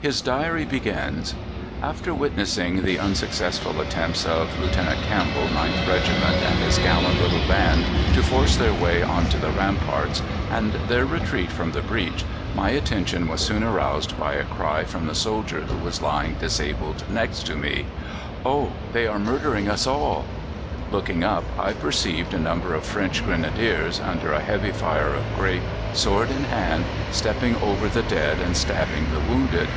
His diary begins: "After witnessing the unsuccessful attempts of Lieutenant Campbell, 9th Regiment, and his gallant little band to force their way on to the ramparts, and their retreat from the breach, my attention was soon aroused by a cry from the soldier who was lying disabled next to me: "'Oh, they are murdering us all!' "Looking up, I perceived a number of French Grenadiers, under a heavy fire of grape, sword in hand, stepping over the dead and stabbing the wounded.